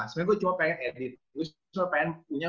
sebenernya gue cuma pengen edit gue cuma pengen punya